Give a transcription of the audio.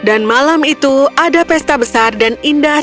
dan malam itu ada pesta besar dan indah